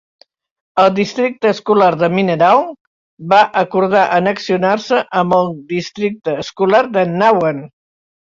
El districte escolar de Mineral va acordar annexionar-se amb el districte escolar d'Annawan.